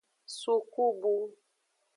Sukubu.